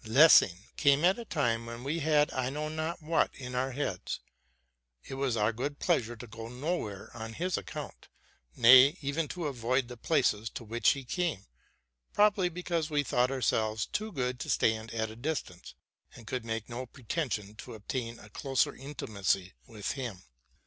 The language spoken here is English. Lessing came at a time when we had I know not what in our heads: it was our good pleasure to go nowhere on his account, —nay, even to avoid the places to which he came, probably because we thought ourselves too good to stand at a distance, and could make no preten sion to obtain a closer intimacy with him.